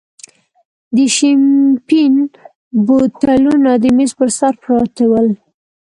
د شیمپین بوتلونه د مېز پر سر پراته ول.